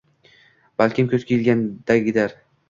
- Balkim, kuz kelganigadir...